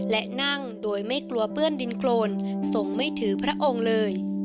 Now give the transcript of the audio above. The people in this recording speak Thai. และนั่งโดยไม่กลัวเปื้อนดินโครนทรงไม่ถือพระองค์เลย